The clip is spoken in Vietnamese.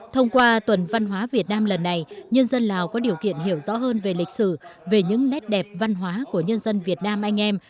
thông qua tuần văn hóa việt nam lần này nhân dân lào có điều kiện hiểu rõ hơn về lịch sử về những nét đẹp văn hóa của nhân dân việt nam anh em